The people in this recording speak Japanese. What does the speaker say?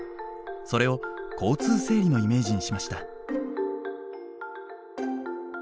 それを交通整理のイメージにしました。